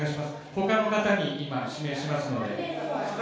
ほかの方に今、指名しますので。